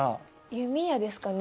弓矢ですかね？